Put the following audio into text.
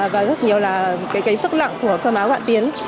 và rất nhiều sức lặng của cơm áo vạn tiến